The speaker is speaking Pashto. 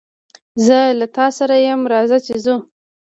زه له تاسره ېم رازه چې ځو